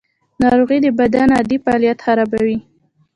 ناروغي د بدن عادي فعالیت خرابوي.